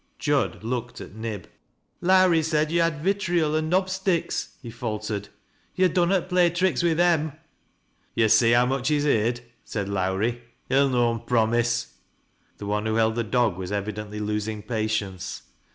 '* Jud looked at Nib "Lowrie said yc^ bad vitriol and knob sticks," he fal tered. " Yo' dunnat play tricks wi' themP " Yo' see how much he's heerd," said Lowrie. " He'll noan promise." The one who held the dog was evidently losing patience.